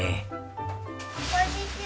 こんにちは！